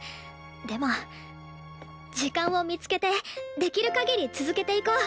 でも時間を見つけてできるかぎり続けていこう。